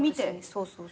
そうそう。